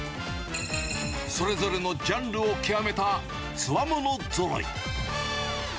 それぞれのジャンルを極めたつわものぞろい。